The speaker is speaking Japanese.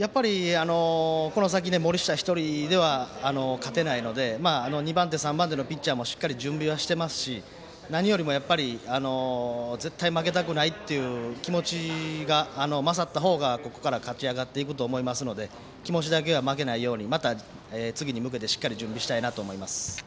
この先、森下一人では勝てないので、２番手、３番手のピッチャーもしっかり準備をしていますし何よりも絶対負けたくないという気持ちが勝ったほうが、ここから勝ち上がっていくと思いますので気持ちだけは負けないようにまた次に向けてしっかり準備したいなと思います。